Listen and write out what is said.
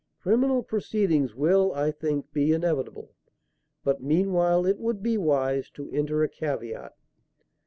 Criminal proceedings will, I think, be inevitable, but meanwhile it would be wise to enter a caveat.